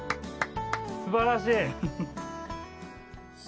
すばらしい。